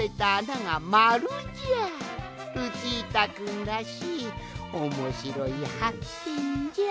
ルチータくんらしいおもしろいはっけんじゃ。